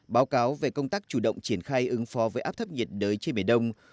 báo cáo về công tác chủ động triển khai ứng phó với áp thấp nhiệt đới trên biển đông